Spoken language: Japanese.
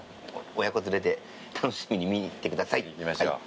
親子連れで楽しみに見に来てください。